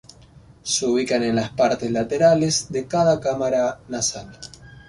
Se ubican en las partes laterales de cada cámara nasal.